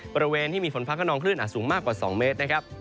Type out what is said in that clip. บริเวณที่มีฝนฟ้าขนองคลื่นอาจสูงมากกว่า๒เมตรนะครับ